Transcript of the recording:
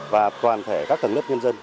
và toàn thể các tầng lớp nhân dân